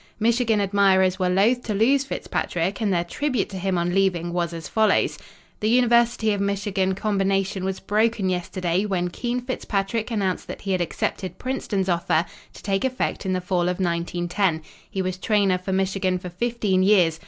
Michigan admirers were loath to lose Fitzpatrick and their tribute to him on leaving was as follows: "The University of Michigan combination was broken yesterday when Keene Fitzpatrick announced that he had accepted Princeton's offer, to take effect in the fall of 1910. He was trainer for Michigan for 15 years.